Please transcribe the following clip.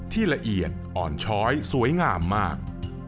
ละเอียดอ่อนช้อยสวยงามมาก